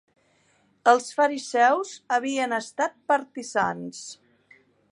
Els fariseus havien estat partisans.